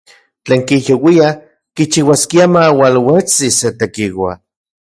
Tlen kijyouia kichiuaskia maualuetsi se tekiua.